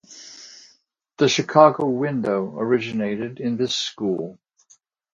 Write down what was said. The "Chicago window" originated in this school.